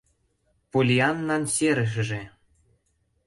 Поллианнан серышыже